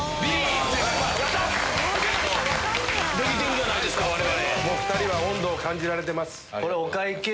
できてるじゃないですか我々。